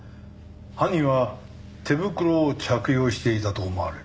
犯人は手袋を着用していたと思われる。